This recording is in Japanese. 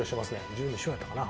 １２勝やったかな？